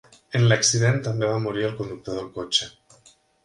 En l'accident també va morir el conductor del cotxe.